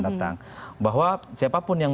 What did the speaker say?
datang bahwa siapapun yang